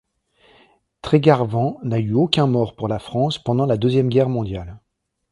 Trégarvan n'a eu aucun mort pour la France pendant la Deuxième Guerre mondiale.